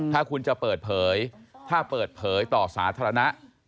ถ้าคุณจะเปิดเผยถ้าเปิดเผยต่อสาธารณะ